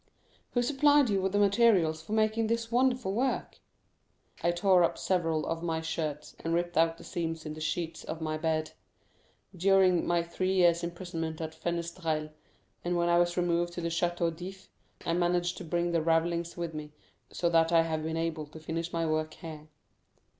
"Who supplied you with the materials for making this wonderful work?" "I tore up several of my shirts, and ripped out the seams in the sheets of my bed, during my three years' imprisonment at Fenestrelle; and when I was removed to the Château d'If, I managed to bring the ravellings with me, so that I have been able to finish my work here."